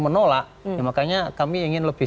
menolak ya makanya kami ingin lebih